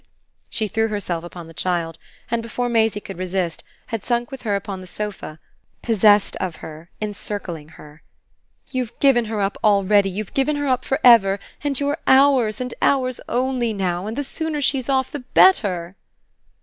She threw herself upon the child and, before Maisie could resist, had sunk with her upon the sofa, possessed of her, encircling her. "You've given her up already, you've given her up for ever, and you're ours and ours only now, and the sooner she's off the better!"